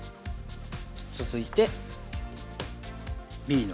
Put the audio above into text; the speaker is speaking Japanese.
続いてＢの。